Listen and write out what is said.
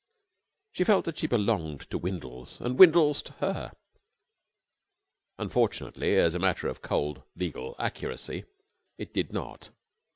She felt that she belonged to Windles, and Windles to her. Unfortunately, as a matter of cold, legal accuracy, it did not.